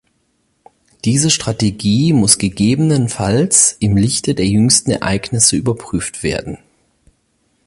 Diese Strategie muss gegebenenfalls im Lichte der jüngsten Ereignisse überprüft werden.